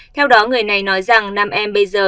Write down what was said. theo đó người này nói rằng nam em bây giờ